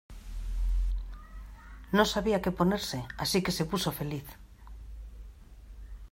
No sabía que ponerse, asi que se puso feliz.